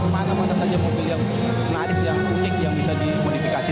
mana mana saja mobil yang menarik yang unik yang bisa dimodifikasi